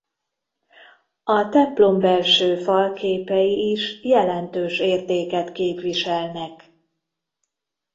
A templombelső falképei is jelentős értéket képviselnek.